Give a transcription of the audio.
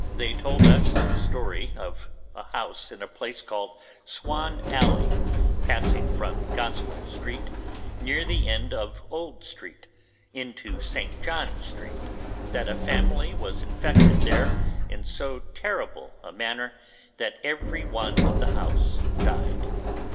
They told us a story of a house in a place called Swan Alley, passing from Goswell Street, near the end of Old Street, into St John Street, that a family was infected there in so terrible a manner that every one of the house died.